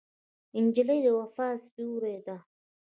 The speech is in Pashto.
نجلۍ د وفا سیوری ده.